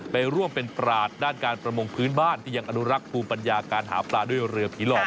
ไปร่วมเป็นปราศด้านการประมงพื้นบ้านที่ยังอนุรักษ์ภูมิปัญญาการหาปลาด้วยเรือผีหลอก